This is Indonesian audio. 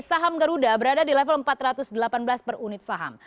saham garuda berada di level empat ratus delapan belas per unit saham